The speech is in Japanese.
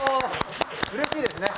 うれしいですね。